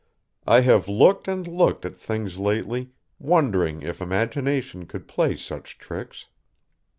I have looked and looked at things lately, wondering if imagination could play such tricks.